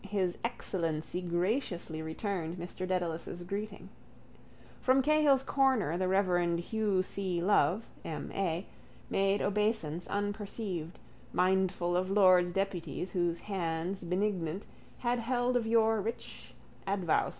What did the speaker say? His Excellency graciously returned Mr Dedalus' greeting. From Cahill's corner the reverend Hugh C. Love, M. A., made obeisance unperceived, mindful of lords deputies whose hands benignant had held of yore rich advowsons.